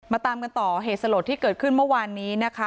ตามกันต่อเหตุสลดที่เกิดขึ้นเมื่อวานนี้นะคะ